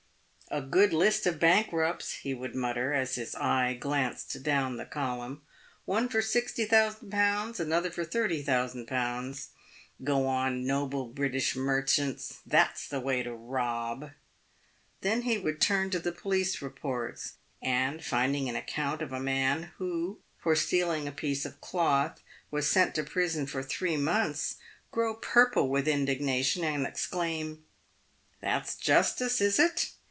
" A good list of bankrupts," he would mutter, as his eye glanced down the column ;" one for 60,000?., another for 30,000Z. Go on, noble British merchants, that's the way to rob !" Then he would turn to the police reports, and, finding an account of a man who, for stealing a piece of cloth, was sent to prison for three months, grow purple with indignation, and exclaim, "That's justice, is it!